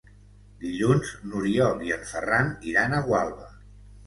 Dilluns n'Oriol i en Ferran iran a Gualba.